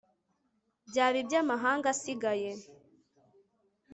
byaba iby'amahanga asigaye